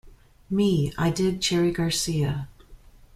Me, I dig Cherry Garcia.